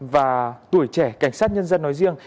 và tuổi trẻ cảnh sát nhân dân nói riêng